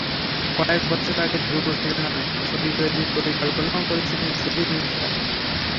কয়েক বছর আগে ধ্রুব শিরোনামে ছবি তৈরির পরিকল্পনাও করেছিলেন সুধীর মিশরা।